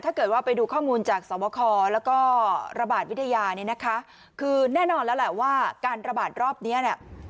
ถ้าเกิดว่าไปดูข้อมูลจากสวบคแล้วก็ระบาดวิทยาเนี่ยนะคะคือแน่นอนแล้วแหละว่าการระบาดรอบเนี้ยเนี่ย